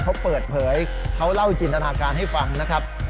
เขาเปิดเผยเขาเล่าจินตนาการให้ฟังนะครับ